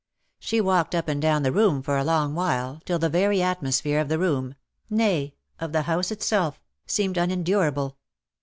She walked up and down the room for a long while, till the very atmosphere of the room, nay, of the house itself, seemed unen durable.